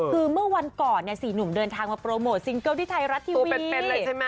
คือเมื่อวันก่อนสี่หนุ่มเดินทางมาโปรโมทซิงเกิลที่ไทยรัสทีวีนี้